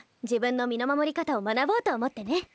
自分の身の守り方を学ぼうと思ってね。